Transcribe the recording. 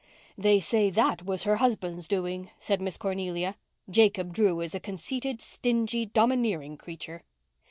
"They say that was her husband's doing," said Miss Cornelia. "Jacob Drew is a conceited, stingy, domineering creature."